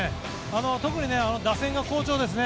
特に打線が好調ですね。